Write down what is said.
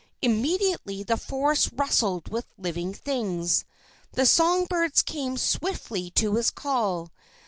Immediately the forest rustled with living things. The song birds came swiftly to his call.